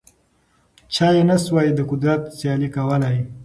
چا یې نه سوای د قدرت سیالي کولای